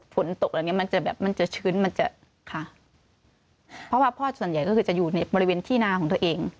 ฝนตกอะไรอย่างเงี้มันจะแบบมันจะชื้นมันจะค่ะเพราะว่าพ่อส่วนใหญ่ก็คือจะอยู่ในบริเวณที่นาของตัวเอง